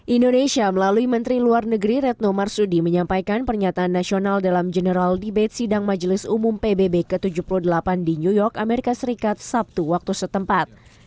indonesia melalui menteri luar negeri retno marsudi menyampaikan pernyataan nasional dalam general debate sidang majelis umum pbb ke tujuh puluh delapan di new york amerika serikat sabtu waktu setempat